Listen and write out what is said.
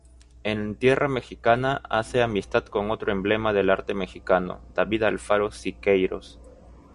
En tierra mexicana hace amistad con otro emblema del arte mexicano: David Alfaro Siqueiros.